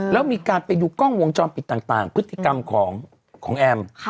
แล้วมีการไปดูกล้องวงจรปิดต่างพฤติกรรมของแอม